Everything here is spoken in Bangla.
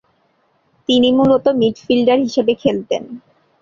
তিনি মূলত মিডফিল্ডার হিসেবে খেলতেন।